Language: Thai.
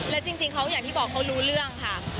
และจริงเขาอย่างที่บอกเขารู้เรื่องค่ะ